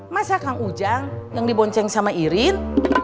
masa kang ujang yang dibonceng sama irin